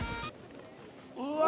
うわ！